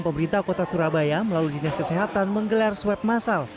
pemerintah kota surabaya melalui dinas kesehatan menggelar swab masal